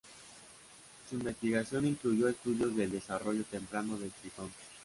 Su investigación incluyó estudios del desarrollo temprano del tritón.